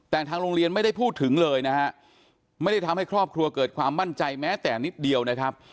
แต่ทางโรงเรียนไม่ได้พูดถึงเลยนะฮะไม่ได้ทำให้ครอบครัวเกิดความมั่นใจแม้แต่นิดเดียวนะครับ